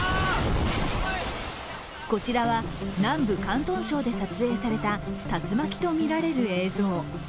こちらは南部・広東省で撮影された竜巻とみられる映像。